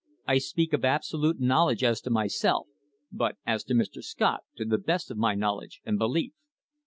I speak of absolute knowledge as to myself, but as to Mr. Scott to the best of my knowledge and belief."